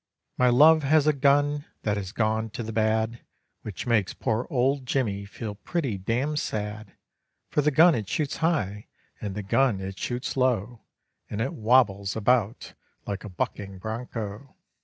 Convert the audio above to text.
My love has a gun that has gone to the bad, Which makes poor old Jimmy feel pretty damn sad; For the gun it shoots high and the gun it shoots low, And it wobbles about like a bucking broncho.